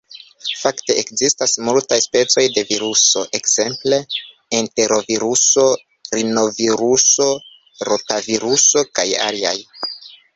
Fakte ekzistas multaj specoj de viruso, ekzemple enteroviruso, rinoviruso, rotaviruso kaj aliaj.